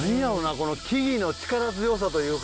この木々の力強さというか。